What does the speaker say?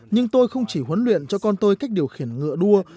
nhưng tôi không chỉ huấn luyện cho con tôi cách điều khiển ngựa đua